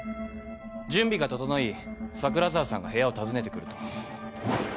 準備が整い桜沢さんが部屋を訪ねてくると。